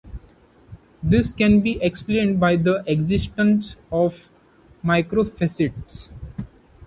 This can be explained by the existence of microfacets.